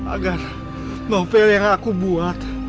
agar novel yang aku buat